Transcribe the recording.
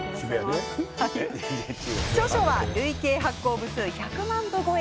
著書は累計発行部数１００万部超え。